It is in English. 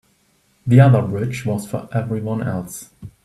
The other bridge was for everyone else.